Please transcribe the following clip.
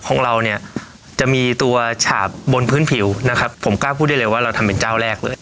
ของเราเนี่ยจะมีตัวฉาบบนพื้นผิวนะครับผมกล้าพูดได้เลยว่าเราทำเป็นเจ้าแรกเลย